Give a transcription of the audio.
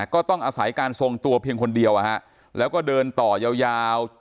ก็ต้องอาศัยการทรงตัวเพียงคนเดียวแล้วก็เดินต่อยาว